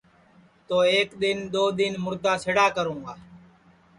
تو ایک دؔن دؔو دؔن مُردا سِڑا کرونگا